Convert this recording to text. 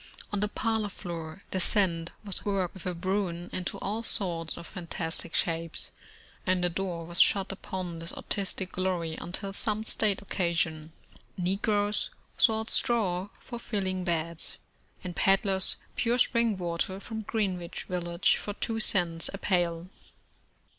On the parlor floor the sand was worked with a broom into all sorts of fantastic shapes, and the door was shut upon this artistic glory until some state occasion. Negroes sold straw for fill 56 America ing beds; and peddlers pure spring water from Green wich village, for two cents a pail.